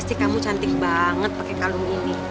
tuh cantik banget kan